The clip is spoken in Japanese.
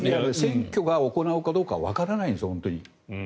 選挙が行うかどうかわからないんです。